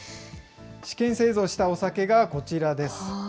試験製造したお酒がこちらです。